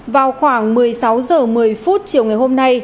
vào khoảng một mươi sáu h một mươi chiều ngày hôm nay